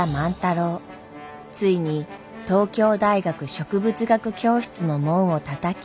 ついに東京大学植物学教室の門をたたき。